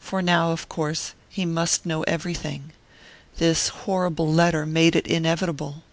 For now of course he must know everything this horrible letter made it inevitable.